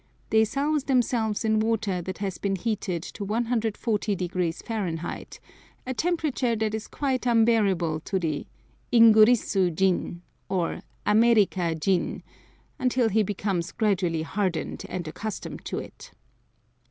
They souse themselves in water that has been heated to 140 deg. Fahr., a temperature that is quite unbearable to the "Ingurisu zin" or "Amerika zin" until he becomes gradually hardened and accustomed to it.